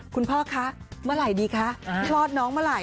พ่อคะเมื่อไหร่ดีคะคลอดน้องเมื่อไหร